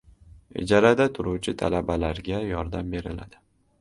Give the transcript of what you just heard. Ijarada turuvchi talabalarga yordam beriladi